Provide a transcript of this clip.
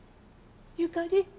ゆかり？